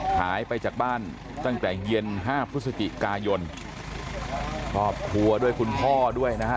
หายไปจากบ้านตั้งแต่เย็นห้าพฤศจิกายนครอบครัวด้วยคุณพ่อด้วยนะฮะ